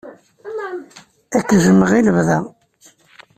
Ad k-jjmeɣ i lebda.